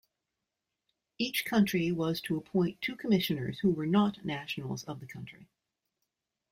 Each country was to appoint two commissioners who were not nationals of the country.